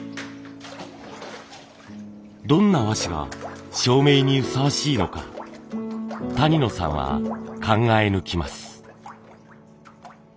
どんな和紙が照明にふさわしいのか谷野さんは考え抜きます。